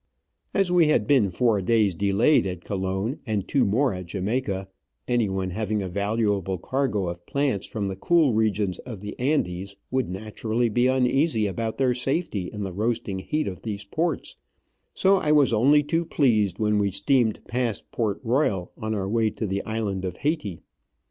As we had been four days delayed at Colon, and two more at Jamaica, anyone having a valuable cargo of plants from the cool regions of the Andes would naturally be uneasy about their safety in the roasting heat of these ports, so I was only too pleased when we steamed past Port Royal on our way to the island of Haiti.